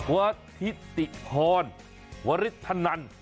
วธิติพรวฤทธนันทร์